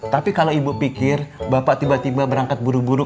tapi kalau ibu pikir bapak tiba tiba berangkat buru buru